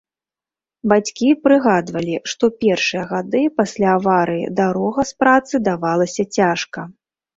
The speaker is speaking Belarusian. Бацькі прыгадвалі, што першыя гады пасля аварыі дарога з працы давалася цяжка.